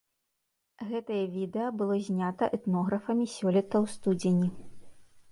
Гэтае відэа было знята этнографамі сёлета ў студзені.